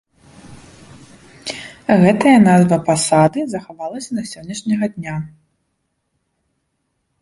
Гэтая назва пасады захавалася да сённяшняга дня.